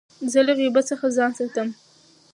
زه له غیبت څخه ځان ساتم.